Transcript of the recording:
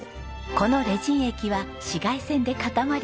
このレジン液は紫外線で固まります。